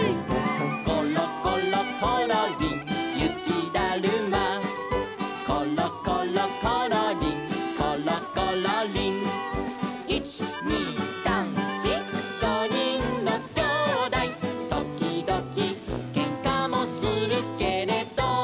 「ころころころりんゆきだるま」「ころころころりんころころりん」「いちにさんしごにんのきょうだい」「ときどきけんかもするけれど」